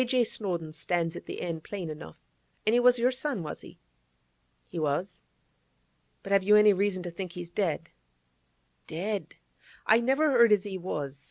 J. Snowdon" stands at the end, plain enough. And he was your son, was he?' 'He was. But have you any reason to think he's dead?' 'Dead! I never heard as he was.